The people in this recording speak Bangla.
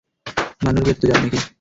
মান্নুর বিয়েতে তো যাবি, নাকি?